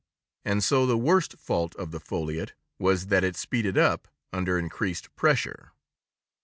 And so the worst fault of the foliot was that it speeded up under increased pressure.